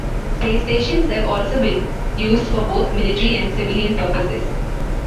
Space stations have also been used for both military and civilian purposes.